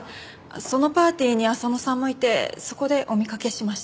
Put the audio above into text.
そのパーティーに浅野さんもいてそこでお見かけしました。